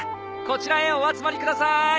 こちらへお集まりください。